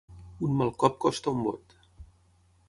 Un mal cop costa un bot.